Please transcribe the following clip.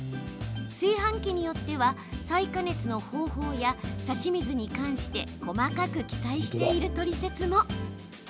炊飯器によっては再加熱の方法や差し水に関して細かく記載しているトリセツも。